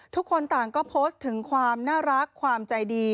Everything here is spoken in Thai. ทุกคนต่างก็โพสต์ถึงความน่ารักความใจดี